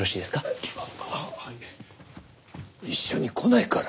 一緒に来ないから。